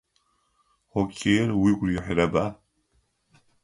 Хоккеир угу рихьырэба?